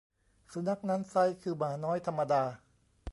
สุนัขนั้นไซร้คือหมาน้อยธรรมดา